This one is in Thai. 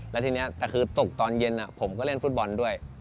แล้วทีนี้แต่คือตกตอนเย็นผมก็เล่นฟุตบอลด้วย